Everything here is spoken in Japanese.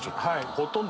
ほとんど。